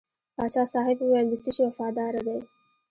پاچا صاحب وویل د څه شي وفاداره دی.